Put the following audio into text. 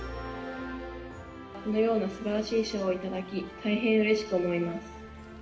このようなすばらしい賞を頂き、大変うれしく思います。